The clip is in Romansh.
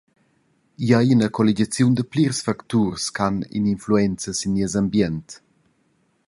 Igl ei ina colligiaziun da plirs facturs che han in’influenza sin nies ambient.